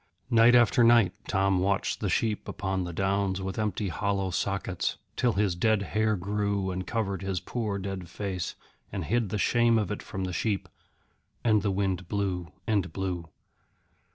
Night after night Tom watched the sheep upon the downs with empty hollow sockets, till his dead hair grew and covered his poor dead face, and hid the shame of it from the sheep. And the wind blew and blew.